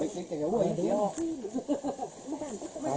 สวัสดีครับ